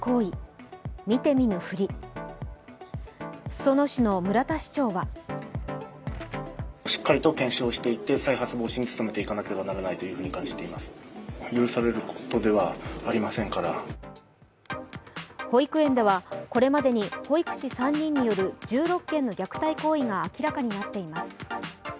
裾野市の村田市長は保育園ではこれまでに保育士３人による１６件の虐待行為が明らかになっています。